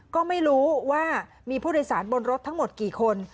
ก็ไม่รู้ว่ามีผู้โดยสารบนรถทั้งหมดกี่คน